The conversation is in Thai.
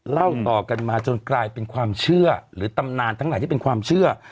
เล่าต่อกันมาจนกลายเป็นความเชื่อหรือตำนานทั้งหลายที่เป็นความเชื่อ